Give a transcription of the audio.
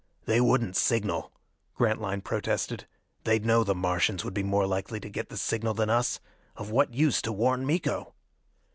"They wouldn't signal," Grantline protested. "They'd know the Martians would be more likely to get the signal than us. Of what use to warn Miko?"